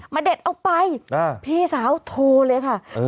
เด็ดเอาไปพี่สาวโทรเลยค่ะ